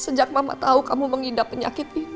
sejak mama tahu kamu mengidap penyakit ini